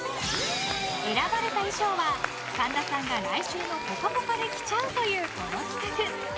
選ばれた衣装は神田さんが来週の「ぽかぽか」で着ちゃうというこの企画。